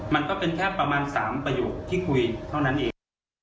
มันก็เป็นแค่ประมาณ๓ประโยคที่คุยเท่านั้นเอง